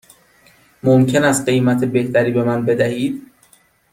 ممکن است قیمت بهتری به من بدهید؟